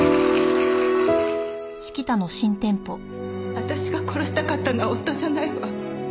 私が殺したかったのは夫じゃないわ。